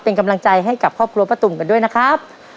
เป็นกำลังใจให้กับครอบครัวป้าตุ๋มกันด้วยนะครับ